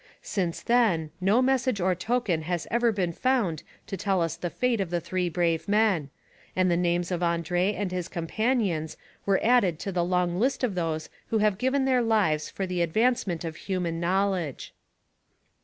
Since then no message or token has ever been found to tell us the fate of the three brave men, and the names of Andrée and his companions are added to the long list of those who have given their lives for the advancement of human knowledge.